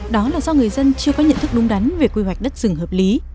đó là do người dân chưa có nhận thức đúng đắn về quy hoạch đất rừng hợp lý